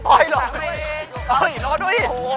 พอยรอดด้วย